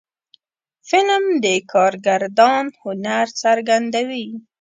فلم د کارگردان هنر څرګندوي